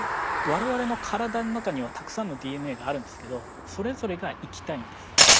われわれの体の中にはたくさんのＤＮＡがあるんですけどそれぞれが生きたいんです。